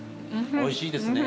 おいしいですね。